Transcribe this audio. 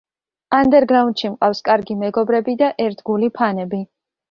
ანდერგრაუნდში მყავს კარგი მეგობრები და ერთგული ფანები.